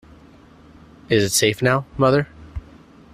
Is it safe now, mother?